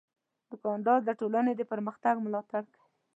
دوکاندار د ټولنې د پرمختګ ملاتړ کوي.